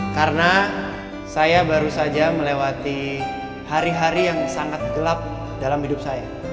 karena saya baru saja melewati hari hari yang sangat gelap dalam hidup saya